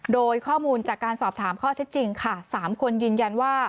โดยข้อมูลจากการสอบถามข้อเท็จจริงค่ะ๓คนยืนยันว่า